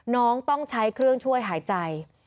น้องต้องใช้เครื่องช่วยหายใจ